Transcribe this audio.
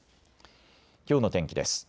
きょうの天気です。